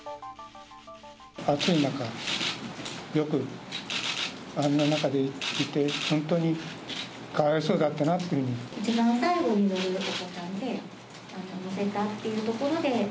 暑い中、よくあんな中でいて、本当にかわいそうだったなというふうに。